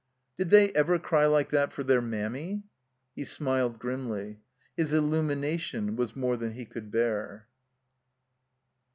"Did they ever cry like that for their Mammy?" He smiled grimly. His illtunination was more than he cotild bear.